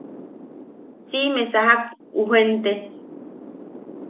Siʼime sajak ju jente.